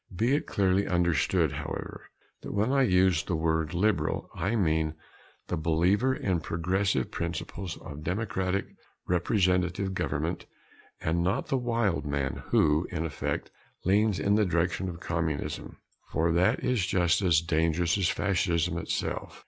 Be it clearly understood, however, that when I use the word "liberal," I mean the believer in progressive principles of democratic, representative government and not the wild man who, in effect, leans in the direction of Communism, for that is just as dangerous as Fascism itself.